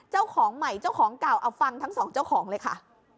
เจ้าของใหม่เจ้าของเก่าเอาฟังทั้งสองเจ้าของเลยค่ะ